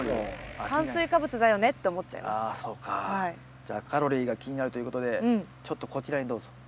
じゃあカロリーが気になるということでちょっとこちらにどうぞ。